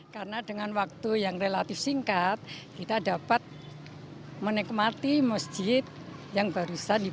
karena dengan waktu yang relatif singkat kita dapat menikmati masjid yang berhasil